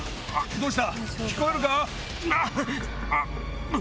どうした？